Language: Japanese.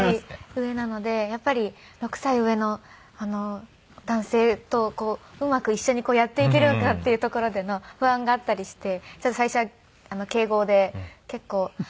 上なのでやっぱり６歳上の男性とうまく一緒にやっていけるのかっていうところでの不安があったりしてちょっと最初は敬語で結構。